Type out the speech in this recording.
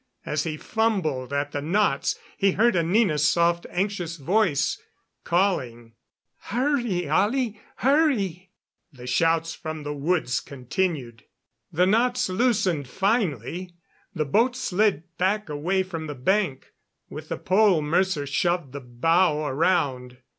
As he fumbled at the knots he heard Anina's soft, anxious voice calling: "Hurry, Ollie, hurry!" The shouts from the woods continued. The knots loosened finally. The boat slid back away from the bank; with the pole Mercer shoved the bow around.